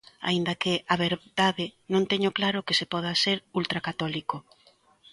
Aínda que, a verdade, non teño claro que se poda ser ultracatólico.